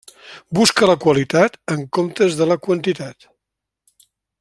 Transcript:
Busca la qualitat en comptes de la quantitat.